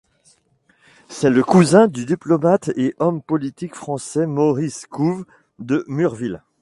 C’est le cousin du diplomate et homme politique français Maurice Couve de Murville.